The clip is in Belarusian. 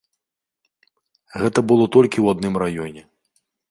Гэта было толькі ў адным раёне.